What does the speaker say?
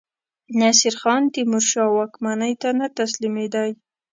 نصیرخان تیمورشاه واکمنۍ ته نه تسلیمېدی.